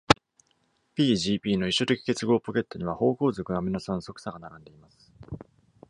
P-gp の異所的結合ポケットには、芳香族アミノ酸側鎖が並んでいます。